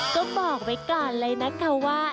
ก็บอกไว้ก่อนเลยนะคะว่า